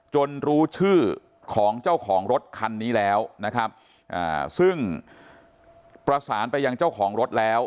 รู้ชื่อของเจ้าของรถคันนี้แล้วนะครับซึ่งประสานไปยังเจ้าของรถแล้ว